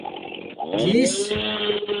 جیس